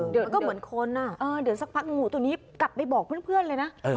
เดี๋ยวมันก็เหมือนคนอ่ะเดี๋ยวสักพักงูตัวนี้กลับไปบอกเพื่อนเลยนะ